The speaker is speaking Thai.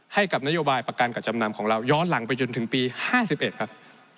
ให้กับนโยบายประกันกับจำนำของเราย้อนหลังไปจนถึงปี๕๑ครับ